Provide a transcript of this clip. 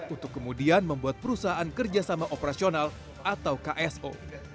untuk kemudian membuat perusahaan kerjasama operasional atau kso